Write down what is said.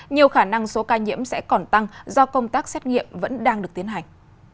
nhiều khả năng số ca nhiễm sẽ còn tăng do công tác xét nghiệm vẫn đang được tiến hành